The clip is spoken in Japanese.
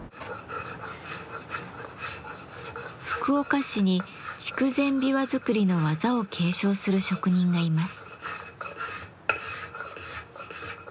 福岡市に筑前琵琶作りの技を継承する職人がいます。